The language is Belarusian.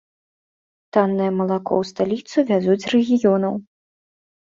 Таннае малако ў сталіцу вязуць з рэгіёнаў.